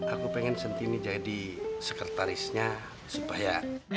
aku pengen sentini jadi sekretarisnya supaya